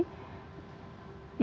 oke ini masuk tempat pertamanya